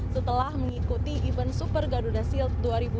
setelah mengikuti event super garuda shield dua ribu dua puluh